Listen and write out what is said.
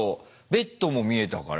ベッドも見えたから。